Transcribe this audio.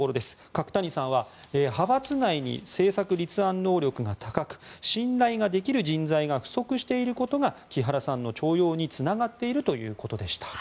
角谷さんは派閥内に政策立案能力が高く信頼ができる人材が不足していることが木原さんの重用につながっているということでした。